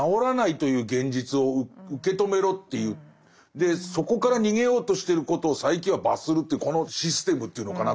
でそこから逃げようとしてることを佐柄木は罰するというこのシステムというのかな。